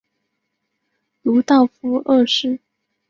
鲁道夫二世。